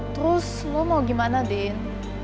terus lo mau gimana din